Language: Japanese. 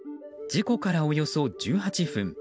事故からおよそ１８分。